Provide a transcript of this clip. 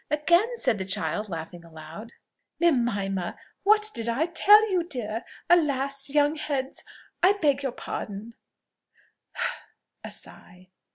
again!" said the child, laughing aloud. "Mimima! what did I tell you, dear! Alas! young heads I beg your pardon " (a sigh).